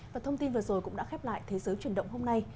và thông tin vừa rồi cũng đã khép lại thế giới chuyển động hôm nay